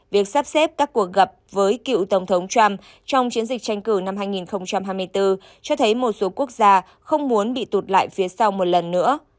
việc sắp xếp các cuộc gặp với cựu tổng thống trump trong chiến dịch tranh cử năm hai nghìn hai mươi bốn cho thấy một số quốc gia không muốn bị tụt lại phía sau một lần nữa